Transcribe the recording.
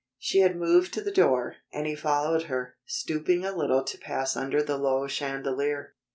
She had moved to the door, and he followed her, stooping a little to pass under the low chandelier.